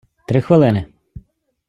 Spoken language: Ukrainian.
три хвилини!